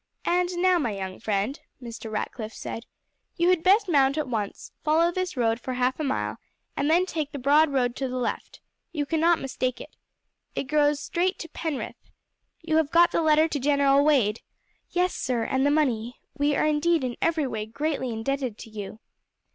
"And now, my young friend," Mr. Ratcliff said, "you had best mount at once; follow this road for half a mile, and then take the broad road to the left; you cannot mistake it. It goes straight to Penrith. You have got the letter to General Wade?" "Yes, sir, and the money; we are indeed in every way greatly indebted to you."